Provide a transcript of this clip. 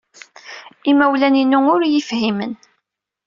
Imawlan-inu ur iyi-fhimen.